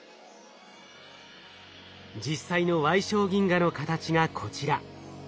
実際の矮小銀河の形がこちら。